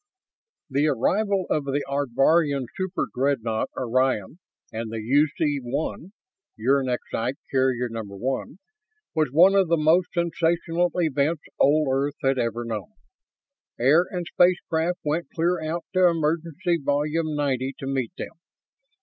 The arrival of the Ardvorian superdreadnought Orion and the UC 1 (Uranexite Carrier Number One) was one of the most sensational events old Earth had ever known. Air and space craft went clear out to Emergence Volume Ninety to meet them.